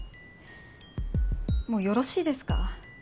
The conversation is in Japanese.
もうよろしいですか？